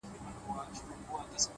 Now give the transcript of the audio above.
زه خو دا يم ژوندی يم’